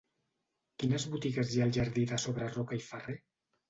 Quines botigues hi ha al jardí de Sobreroca i Ferrer?